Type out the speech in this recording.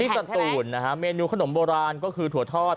สตูนนะฮะเมนูขนมโบราณก็คือถั่วทอด